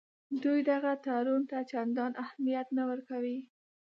دوی دغه تړون ته چندان اهمیت نه ورکوي.